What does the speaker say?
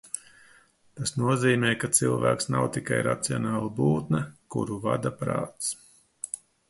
Tas nozīmē, ka cilvēks nav tikai racionāla būtne, kuru vada prāts